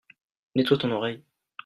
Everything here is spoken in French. Nettoie ton oreille.